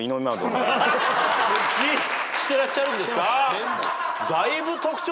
してらっしゃるんですか！？